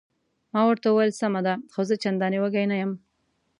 ما ورته وویل: سمه ده، خو زه چندانې وږی نه یم.